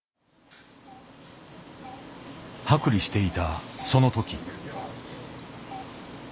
剥離していたその時。